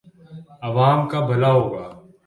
عوام کا بھلا ہو گا۔